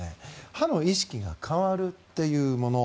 歯の意識が変わるというもの。